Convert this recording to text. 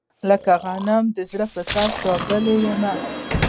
لکه غنم د زړه په سر چاودلی يمه